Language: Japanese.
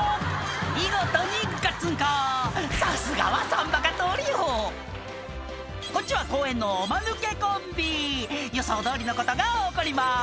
見事にゴッツンコさすがは３バカトリオこっちは公園のおマヌケコンビ予想どおりのことが起こります